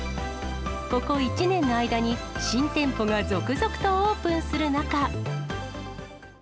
ここ１年の間に、新店舗が続々とオープンする中。